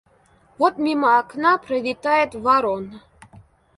Вот мимо окна пролетает ворона.